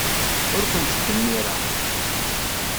Ur ken-ttdemmireɣ.